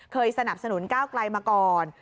สนับสนุนก้าวไกลมาก่อน